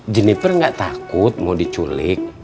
jeniper ga takut mau diculik